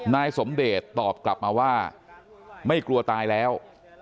นายสมเดชตอบกลับมาว่าไม่กลัวตายแล้ว